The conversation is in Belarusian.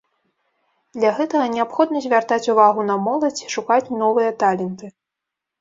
Для гэтага неабходна звяртаць увагу на моладзь і шукаць новыя таленты.